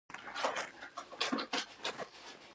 علي ډېر ګپ شپي انسان دی، هر وخت مجلس په ده باندې تازه وي.